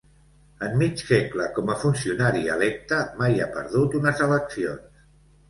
En mig segle com a funcionari electe, mai ha perdut unes eleccions.